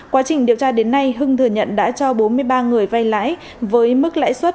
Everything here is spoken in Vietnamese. quá trình điều tra đến nay hưng thừa nhận đã cho bốn mươi ba người vay lãi với mức lãi suất